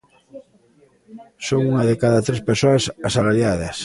Son unha de cada tres persoas asalariadas.